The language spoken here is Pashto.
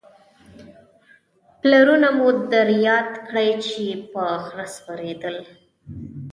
پلرونه مو در یاد کړئ چې په خره سپرېدل